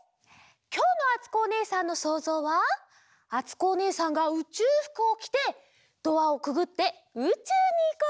きょうのあつこおねえさんのそうぞうは「あつこおねえさんがうちゅうふくをきてドアをくぐってうちゅうにいこうとしているところ」です。